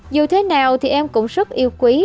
dù thế nào thì em cũng rất yêu quý